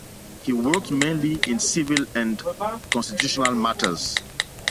He worked mainly in Civil and Constitutional matters.